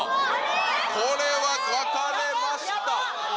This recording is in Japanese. これは分かれました。